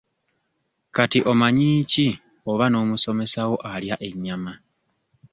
Kati omanyi ki oba n'omusomesa wo alya ennyama?